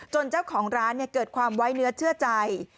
เจ้าของร้านเกิดความไว้เนื้อเชื่อใจ